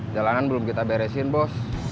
jalanan belum kita beresin bos